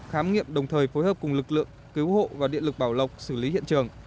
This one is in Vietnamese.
khám nghiệm đồng thời phối hợp cùng lực lượng cứu hộ và điện lực bảo lộc xử lý hiện trường